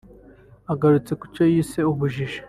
Agarutse ku cyo yise ubujiji